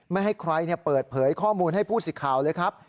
ไม่ให้ใครเปิดเผยข้อมูลให้ผู้สิทธิ์ข่าวเลยครับ